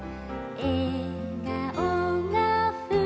「えがおがふたつ」